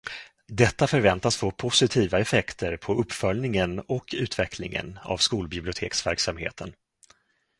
Detta förväntas få positiva effekter på uppföljningen och utvecklingen av skolbiblioteksverksamheten.